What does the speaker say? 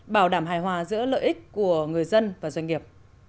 bảo đảm hài hòa giữa lợi ích của người dân và doanh nghiệp